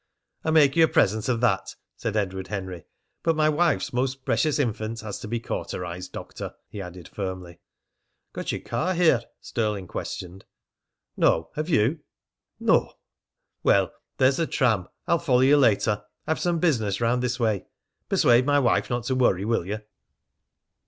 "I make you a present of that," said Edward Henry. "But my wife's most precious infant has to be cauterized, Doctor," he added firmly. "Got your car here?" Stirling questioned. "No. Have you?" "No." "Well, there's the tram. I'll follow you later. I've some business round this way. Persuade my wife not to worry, will you?"